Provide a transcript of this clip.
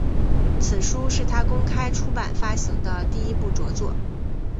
此书是他公开出版发行的第一部着作。